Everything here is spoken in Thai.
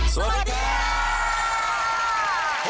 สวัสดีค่ะ